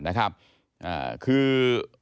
นะครับคือ